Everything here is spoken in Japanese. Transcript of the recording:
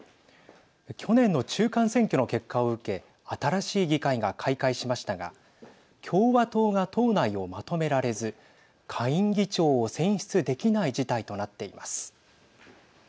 去年の中間選挙の結果を受け新しい議会が開会しましたが共和党が党内をまとめられず下院議長を選出できない事態となっています。